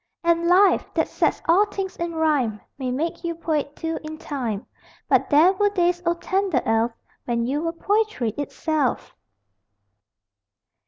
And Life, that sets all things in rhyme, May make you poet, too, in time But there were days, O tender elf, When you were Poetry itself!